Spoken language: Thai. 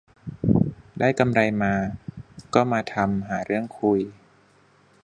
ได้กำไรมาก็มาทำ หาเรื่องคุย